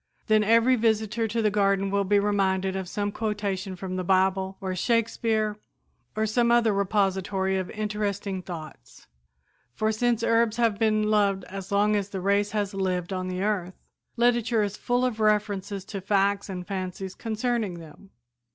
Then every visitor to the garden will be reminded of some quotation from the Bible, or Shakespeare or some other repository of interesting thoughts; for since herbs have been loved as long as the race has lived on the earth, literature is full of references to facts and fancies concerning them.